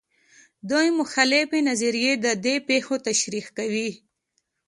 دوې مخالفې نظریې د دې پېښو تشریح کوي.